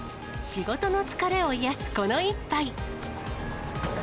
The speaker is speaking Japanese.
仕事の疲れを癒やすこの一杯。